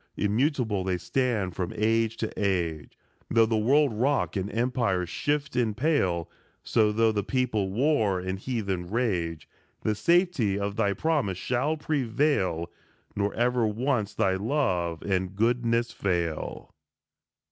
Immutable they stand from age to age Though the world rock and empires shift and pale ; So, though the people war and heathen rage, The safety of thy promise shall prevail, Nor ever once thy love and goodness fail.